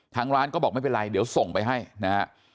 ทางร้านก็บอกไม่เป็นไรเดี๋ยวส่งไปให้นะฮะ